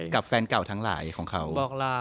กับแฟนเก่าทั้งหลายของเขา